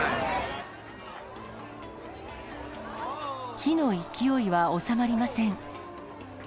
火の勢いは収まりません。